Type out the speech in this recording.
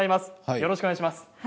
よろしくお願いします。